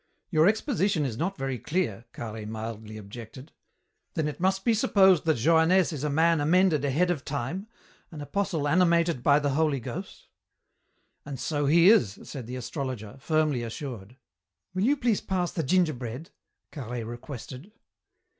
"Your exposition is not very clear," Carhaix mildly objected. "Then it must be supposed that Johannès is a man amended ahead of time, an apostle animated by the Holy Ghost?" "And so he is," said the astrologer, firmly assured. "Will you please pass the gingerbread?" Carhaix requested.